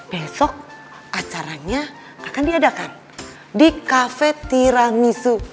besok acaranya akan diadakan di kafe tiramisu